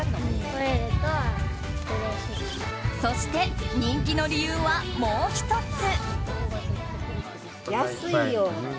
そして、人気の理由はもう１つ。